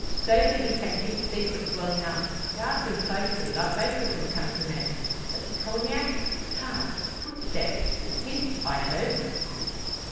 Sober he can keep secrets well enough guard them closely, like most of his countrymen. But the Cognac? Hark Footsteps! His I hope."